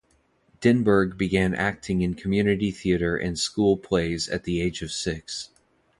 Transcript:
Denberg began acting in community theater and school plays at the age of six.